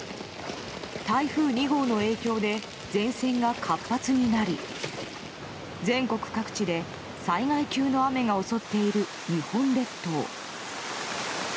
台風２号の影響で前線が活発になり全国各地で災害級の雨が襲っている日本列島。